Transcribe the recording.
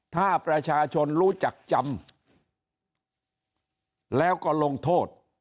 ถ้าประชาชนรู้จักจำแล้วก็ลงโทษ